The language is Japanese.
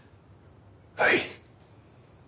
はい。